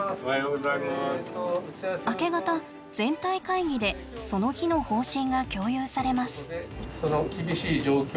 明け方全体会議でその日の方針が共有されます。